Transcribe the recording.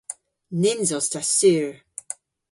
Nyns os ta sur.